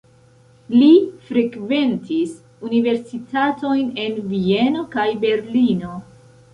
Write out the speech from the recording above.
Li frekventis universitatojn en Vieno kaj Berlino.